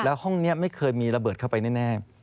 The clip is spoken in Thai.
แล้วห้องนี้ไม่เคยมีระเบิดเข้าไปแน่